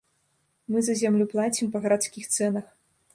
Мы за зямлю плацім па гарадскіх цэнах.